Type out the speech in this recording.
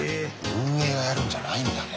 運営がやるんじゃないんだね。